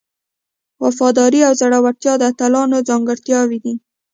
وفاداري او زړورتیا د اتلانو ځانګړتیاوې دي.